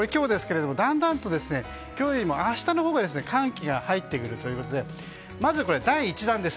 だんだんと今日よりも明日のほうが寒気が入ってくるということでまずこれは第１弾です。